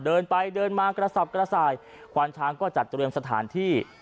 เดินไปเดินมากระสับกระส่ายควานช้างก็จัดเตรียมสถานที่